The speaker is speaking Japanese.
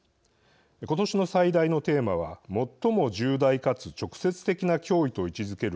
今年の最大のテーマは最も重大かつ直接的な脅威と位置づける